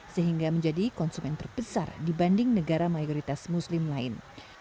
sehingga menjadi konsumen terbesar dibanding negara mayoritas muslim lain